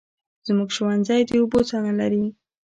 زموږ ښوونځی د اوبو څاه نلري